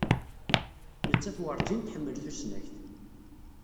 Nettat werǧin tḥemmel tusnakt.